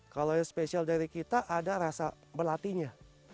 kalau yang spesial dari kita ada rasa berlatihnya